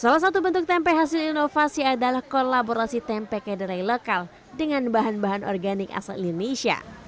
salah satu bentuk tempe hasil inovasi adalah kolaborasi tempe kedelai lokal dengan bahan bahan organik asal indonesia